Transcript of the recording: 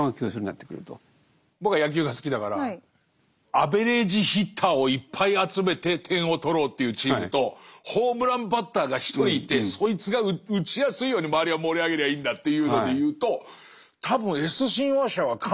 アベレージヒッターをいっぱい集めて点を取ろうというチームとホームランバッターが１人いてそいつが打ちやすいように周りは盛り上げりゃいいんだっていうのでいうと多分Ｓ親和者は完全にホームランバッターなんだよね。